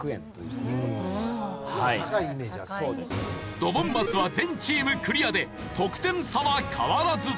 ドボンマスは全チームクリアで得点差は変わらず。